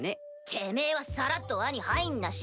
てめぇはさらっと輪に入んなし。